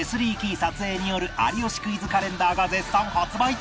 撮影による『有吉クイズ』カレンダーが絶賛発売中！